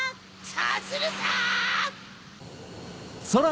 そうするさ！